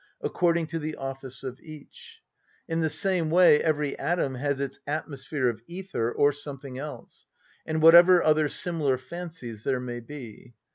according to the office of each; in the same way every atom has its atmosphere of ether, or something else, and whatever other similar fancies there may be.